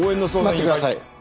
待ってください。